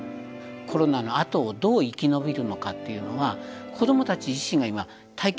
コロナのあとをどう生き延びるのかっていうのは子どもたち自身が今体験してるわけで。